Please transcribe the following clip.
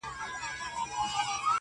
• چي تر منځ به مو طلاوي وای وېشلي -